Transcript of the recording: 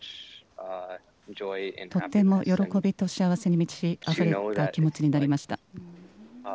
とっても喜びと幸せに満ちあふれた気持ちになりました。